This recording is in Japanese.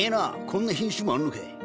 こんな品種もあんのかい。